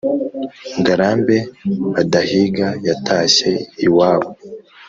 Ngarambe badahiga yatashye iwabo